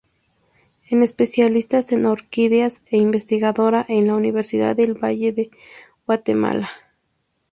Es especialista en orquídeas; e investigadora en la Universidad del Valle, de Guatemala.